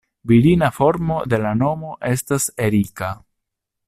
Virina formo de la nomo estas Erika.